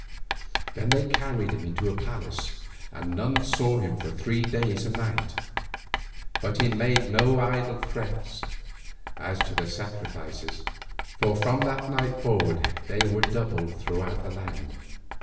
Then they carried him into the palace and none saw him for three days and nights. But he made no idle threat as to the sacrifices, for from that night forward they were doubled throughout the land.